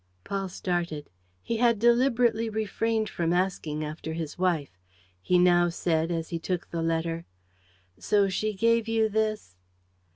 Paul started. He had deliberately refrained from asking after his wife. He now said, as he took the letter: "So she gave you this